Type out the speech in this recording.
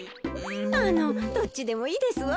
あのどっちでもいいですわ。